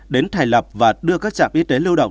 đến thành lập và đưa các trạm y tế lưu động